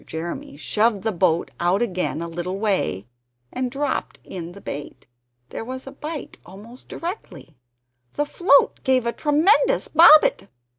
Jeremy shoved the boat out again a little way, and dropped in the bait. There was a bite almost directly; the float gave a tremendous bobbit!